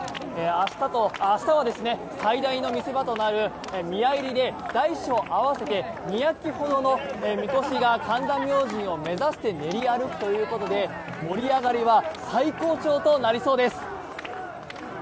明日は最大の見せ場となる宮入で大小合わせて２００基ほどのみこしが神田明神を目指して練り歩くということで盛り上がりは最高潮となりそうです。